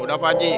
udah pak haji